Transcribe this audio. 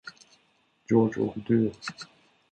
Georg och du?